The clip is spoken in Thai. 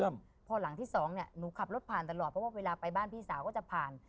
พอหลังที่สองเนี่ยหนูขับรถผ่านตลอดเพราะว่าเวลาไปบ้านพี่สาวก็จะผ่าน